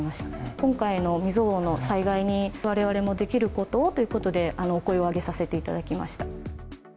今回の未曽有の災害に、われわれもできることをということで、声を上げさせていただきました。